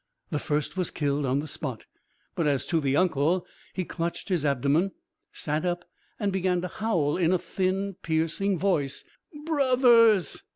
The first was killed on the spot, but as to the "uncle," he clutched his abdomen, sat up and began to howl in a thin, piercing voice: "Bro o thers!"